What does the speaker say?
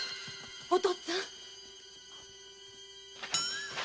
お父っつぁん？